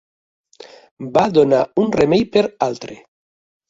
Va donar un remei per altre